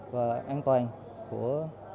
và an toàn của